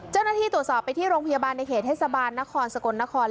เจ้าหน้าที่ตรวจสอบไปที่โรงพยาบาลในเขตเทศบาลนครสกลนคร